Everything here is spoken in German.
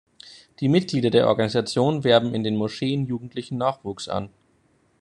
Die Mitglieder der Organisation werben in den Moscheen jugendlichen Nachwuchs an.